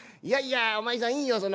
いやいやお前さんいいよ